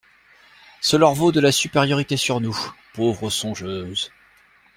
Ce leur vaut de la supériorité sur nous, pauvres songeuses!